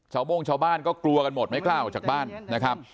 โม่งชาวบ้านก็กลัวกันหมดไม่กล้าออกจากบ้านนะครับ